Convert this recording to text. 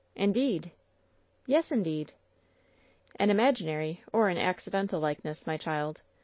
"Indeed!" "Yes, indeed!" "An imaginary or an accidental likeness, my child.